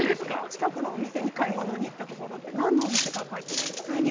近くのお店に買い物に行ったところということで何のお店かは書いていないです。